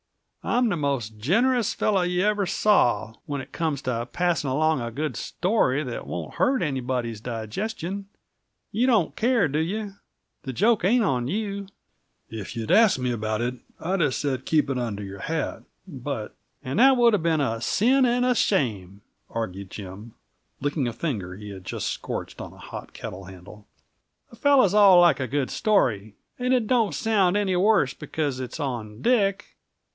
I'm the most generous fellow you ever saw, when it comes to passing along a good story that won't hurt anybody's digestion. You don't care, do you? The joke ain't on you." "If you'd asked me about it, I'd have said keep it under your hat. But " "And that would have been a sin and a shame," argued Jim, licking a finger he had just scorched on a hot kettle handle. "The fellows all like a good story and it don't sound any worse because it's on Dick.